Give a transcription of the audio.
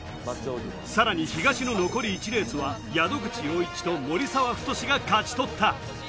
さらに東の残り１レースは宿口陽一と守澤太志が勝ち取った。